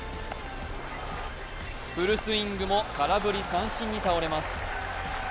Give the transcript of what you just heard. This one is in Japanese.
フルスイングも空振り三振に倒れます。